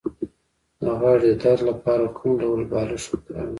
د غاړې د درد لپاره کوم ډول بالښت وکاروم؟